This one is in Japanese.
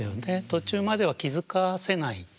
途中までは気付かせない。